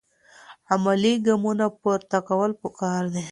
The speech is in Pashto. عملي ګامونه پورته کول پکار دي.